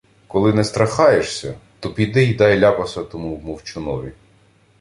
— Коли не страхаєшся, то піди й дай ляпаса тому мовчунові...